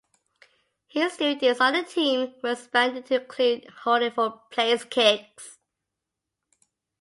His duties on the team were expanded to include holding for placekicks.